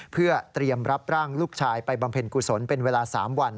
เพื่อเตรียมรับร่างลูกชายไปบำเพ็ญกุศลเป็นเวลา๓วัน